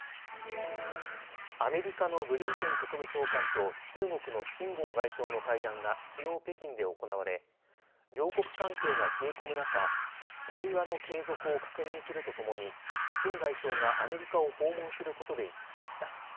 アメリカのブリンケン国務長官と中国の秦剛外相の会談がきのう北京で行われ、両国関係が冷え込む中、対話の継続を確認するとともに秦外相がアメリカを訪問することで一致しました。